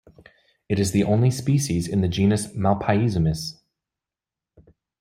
It is the only species in the genus Malpaisomys.